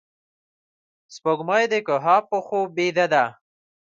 سپوږمۍ د کهف په خوب بیده ده